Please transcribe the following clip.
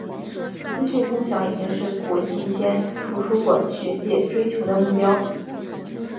资讯共享已经是国际间图书馆学界追求的目标。